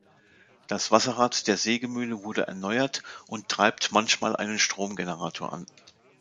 Das Wasserrad der Sägemühle wurde erneuert und treibt manchmal einen Stromgenerator an.